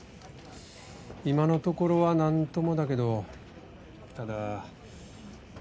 今のところは何ともだけどただ。